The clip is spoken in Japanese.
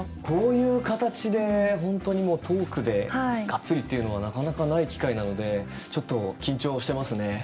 こういう形で本当にもうトークでがっつりというのはなかなかない機会なのでちょっと緊張してますね。